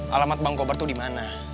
alamat bang kobar tuh dimana